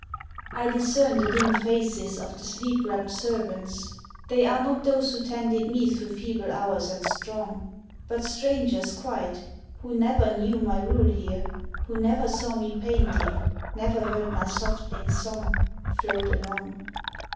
I discern the dim faces of the sleep wrapt servants; They are not those who tended me through feeble hours and strong, But strangers quite, who never knew my rule here, Who never saw me painting, never heard my softling song Float along.